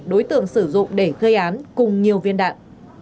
đối tượng sử dụng để gây án cùng nhiều viên đạn